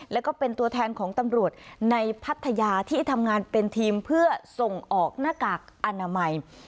แล้วก็เป็นตัวแทนของตำรวจในพัทยาที่ทำงานเป็นทีมเพื่อส่งออกหน้ากากอนามัย